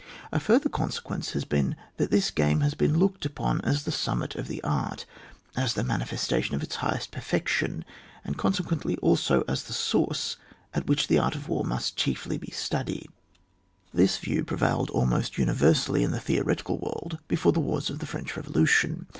A further consequence has then been that this game has been looked upon as the summit of the art, as the manifestation of its highest perfection, and consequently also as the source at which the art of war must chiefly be studied. This view prevailed almost universally in the theoretical world before the wars of the French Eevolution.